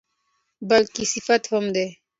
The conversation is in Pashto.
بلکې صفت هم ده.